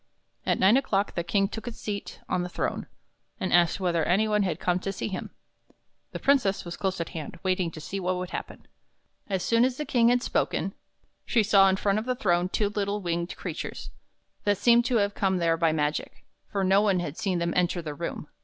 At nine o'clock the King took his seat on his throne* and asked whether any one had come to see him. The Princess was close at hand, waiting to see what 40 THE BROOK IN THE KING'S GARDEN would happen. As soon as the King had spoken, she saw in front of the throne two little winged crea tures, that seemed to have come there by magic, for no one had seen them enter the room.